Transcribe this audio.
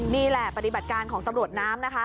นี่แหละปฏิบัติการของตำรวจน้ำนะคะ